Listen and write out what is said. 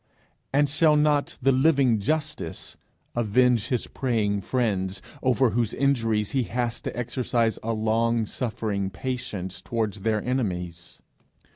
and shall not the living Justice avenge his praying friends over whose injuries he has to exercise a long suffering patience towards their enemies?'